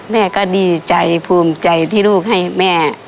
แม่ก็ดีใจภูมิใจที่ลูกให้แม่